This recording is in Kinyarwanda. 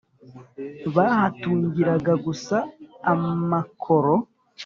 bahatungiraga gusa amakoro.